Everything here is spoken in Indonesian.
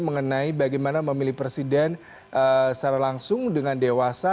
mengenai bagaimana memilih presiden secara langsung dengan dewasa